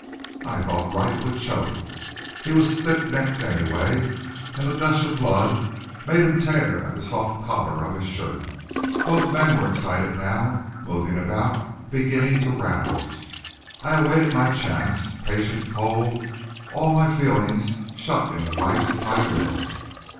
I thought Wright would choke. He was thick necked anyway, and the gush of blood made him tear at the soft collar of his shirt. Both men were excited now, moving about, beginning to rouse. I awaited my chance, patient, cold, all my feelings shut in the vise of my will.